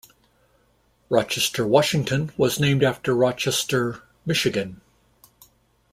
Rochester, Washington was named after Rochester, Michigan.